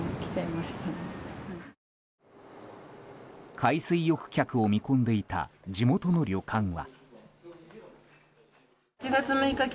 海水浴客を見込んでいた地元の旅館は。